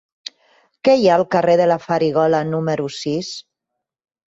Què hi ha al carrer de la Farigola número sis?